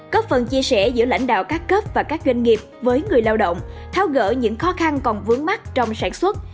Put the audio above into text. có phần chia sẻ giữa lãnh đạo các cấp và các doanh nghiệp với người lao động thao gỡ những khó khăn còn vướng mắt trong sản xuất